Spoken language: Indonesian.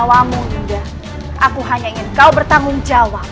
tidak mau indah aku hanya ingin kau bertanggungjawab